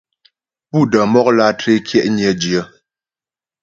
Pú də́ mɔk lǎtré kyɛ'nyə dyə.